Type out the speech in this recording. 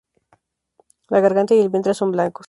La garganta y el vientre son blancos.